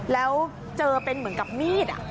แล้วเจอเป็นเหมือนกับมีด